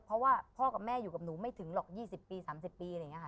เพราะว่าพ่อกับแม่อยู่กับหนูไม่ถึงหรอก๒๐ปี๓๐ปีอะไรอย่างนี้ค่ะ